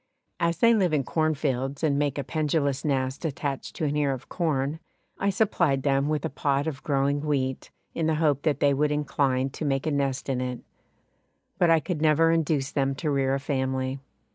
As they live in cornfields and make a pendulous nest attached to an ear of corn, I supplied them with a pot of growing wheat, in the hope that they would incline to make a nest in it; but I could never induce them to rear a family.